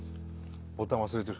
ボタン忘れてる。